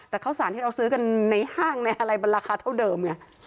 แต่ข้าวสารที่เราซื้อกันในห้างในอะไรมันราคาเท่าเดิมไง